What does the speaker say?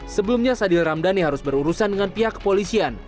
sebelumnya sadil ramdhani harus berurusan dengan pihak kepolisian